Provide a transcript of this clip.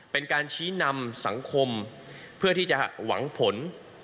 เป็นการชี้นำสังคมเพื่อที่จะหวังผล